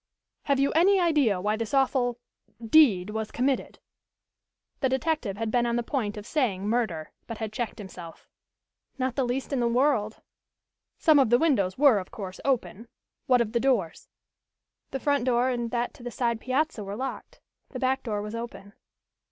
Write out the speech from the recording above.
"Have you any idea why this awful deed was committed?" The detective had been on the point of saying "murder" but had checked himself. "Not the least in the world." "Some of the windows were, of course, open. What of the doors?" "The front door and that to the side piazza were locked. The back door was open."